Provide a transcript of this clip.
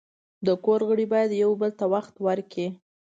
د کور غړي باید یو بل ته وخت ورکړي.